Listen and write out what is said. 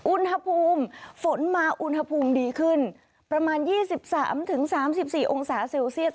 อุณหภูมิฝนมาอุณหภูมิดีขึ้นประมาณ๒๓๓๔องศาเซลเซียส